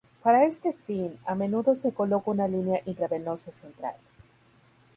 Para este fin, a menudo se coloca una línea intravenosa central.